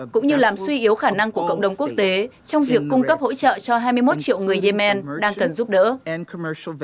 cũng như làm suy yếu khả năng của cộng đồng quốc tế trong việc cung cấp hỗ trợ cho hai mươi một triệu người yemen đang cần giúp đỡ